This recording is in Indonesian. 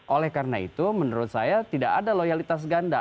oleh karena itu menurut saya tidak ada loyalitas ganda